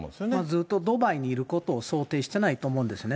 ずっとドバイにいることを想定してないと思うんですね。